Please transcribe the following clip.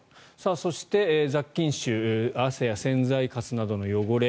そして、雑菌臭汗や洗剤かすなどの汚れ